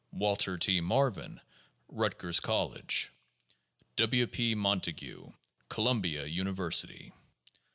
Waltee T. Maevin, Rutgers College. W. P. Montague, Columbia University.